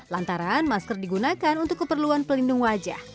lantaran masker digunakan untuk keperluan pelindung wajah